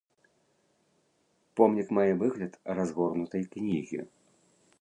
Помнік мае выгляд разгорнутай кнігі.